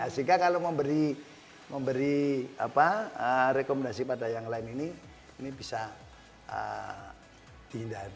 sehingga kalau memberi rekomendasi pada yang lain ini ini bisa dihindari